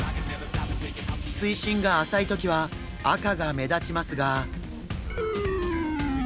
水深が浅い時は赤が目立ちますが。